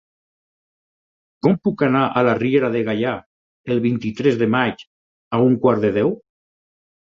Com puc anar a la Riera de Gaià el vint-i-tres de maig a un quart de deu?